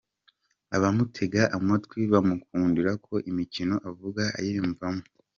Abamutega amatwi bamukundira ko imikino avuga ayiyumvamo.